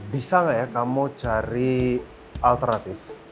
bisa nggak ya kamu cari alternatif